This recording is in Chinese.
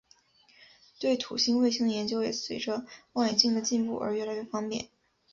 对土星卫星的研究也随着望远镜的进步而越来越方便。